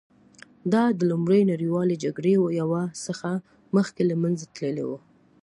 دا د لومړۍ نړیوالې جګړې یو څه مخکې له منځه تللې وې